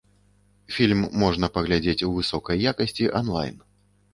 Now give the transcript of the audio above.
Фільм можна паглядзець у высокай якасці анлайн.